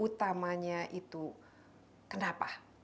utamanya itu kenapa